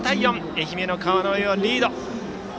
愛媛の川之江をリード。